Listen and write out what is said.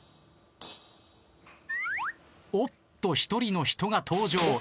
おっと１人の人が登場。